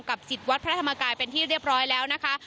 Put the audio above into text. สิทธิ์วัดพระธรรมกายเป็นที่เรียบร้อยแล้วนะคะ